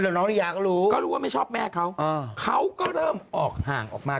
ก็รู้ว่าไม่ชอบแม่เขาเขาก็เริ่มออกห่างออกมา